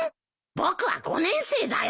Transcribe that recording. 僕は５年生だよ？